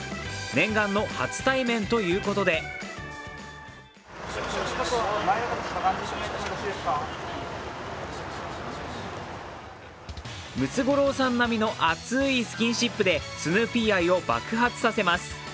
念願の初対面ということでムツゴロウさん並みの熱いスキンシップでスヌーピー愛を爆発させます。